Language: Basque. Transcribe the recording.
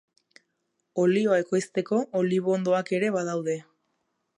Olioa ekoizteko olibondoak ere badaude.